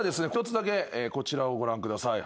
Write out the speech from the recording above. １つだけこちらをご覧ください。